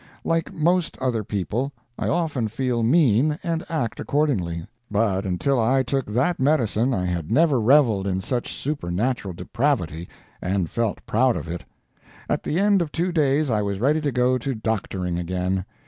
Like most other people, I often feel mean, and act accordingly; but until I took that medicine I had never reveled in such supernatural depravity, and felt proud of it. At the end of two days I was ready to go to doctoring again.